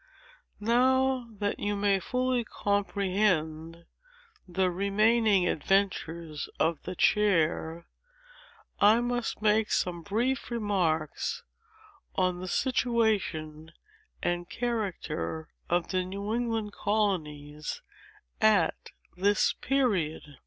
Now, that you may fully comprehend the remaining adventures of the chair, I must make some brief remarks on the situation and character of the New England colonies at this period."